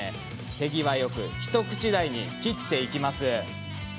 手際良くひとくち大に切っていきます。